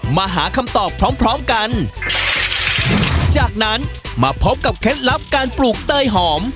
มาหาคำตอบพร้อมพร้อมกันจากนั้นมาพบกับเคล็ดลับการปลูกเต้ยหอม